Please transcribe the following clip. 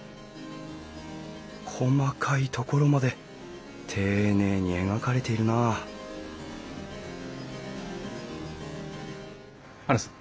細かいところまで丁寧に描かれているなハルさん。